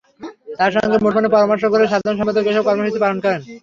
তাঁর সঙ্গে মুঠোফোনে পরামর্শ করে সাধারণ সম্পাদক এসব কর্মসূচি পালন করেন।